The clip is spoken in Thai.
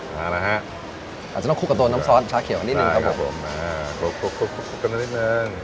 เอาล่ะฮะอาจจะต้องคลุกกับตัวน้ำซอสชาเขียวกันนิดหนึ่งครับผมได้ครับผมคลุกคลุกกันหน่อยนิดหนึ่ง